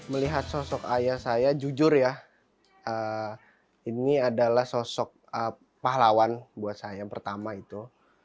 melihat sosok ayah saya jujur ya ini adalah sosok pahlawan buat saya yang pertama itu